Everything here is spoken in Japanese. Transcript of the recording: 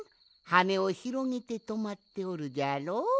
はねをひろげてとまっておるじゃろう。